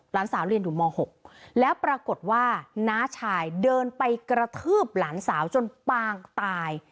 หลานสาวเรียนอยู่ม๖แล้วปรากฏว่าน้าชายเดินไปกระทืบหลานสาวจนปางตาย